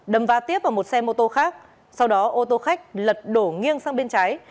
đâm va tiếp vào một xe mô tô khác sau đó ô tô khách lật đổ nghiêng sang bên trái